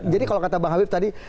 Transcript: jadi kalau kata bang habib tadi